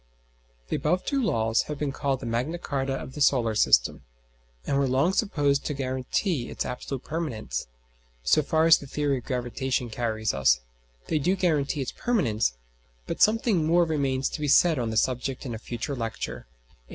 The above two laws have been called the Magna Charta of the solar system, and were long supposed to guarantee its absolute permanence. So far as the theory of gravitation carries us, they do guarantee its permanence; but something more remains to be said on the subject in a future lecture (XVIII).